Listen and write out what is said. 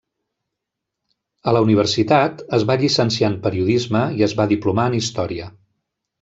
A la universitat, es va llicenciar en periodisme i es va diplomar en història.